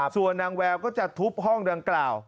ส่วนนางแววก็จะทุบห้องดังกล่าว